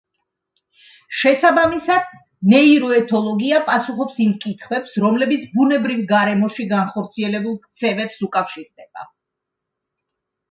შესაბამისად, ნეიროეთოლოგია პასუხობს იმ კითხვებს, რომლებიც ბუნებრივ გარემოში განხორციელებულ ქცევებს უკავშირდება.